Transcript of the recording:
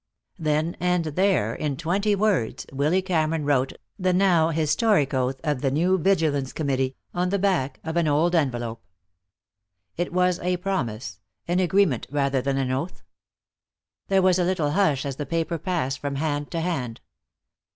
Then and there, in twenty words, Willy Cameron wrote the now historic oath of the new Vigilance Committee, on the back of an old envelope. It was a promise, an agreement rather than an oath. There was a little hush as the paper passed from hand to hand.